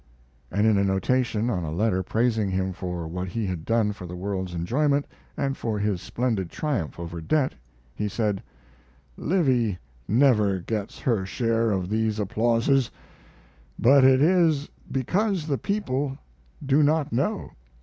And in a notation, on a letter praising him for what he had done for the world's enjoyment, and for his splendid triumph over debt, he said: Livy never gets her share of these applauses, but it is because the people do not know.